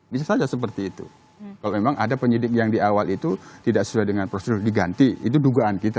bisa saja seperti itu kalau memang ada penyidik yang di awal itu tidak sesuai dengan prosedur diganti itu dugaan kita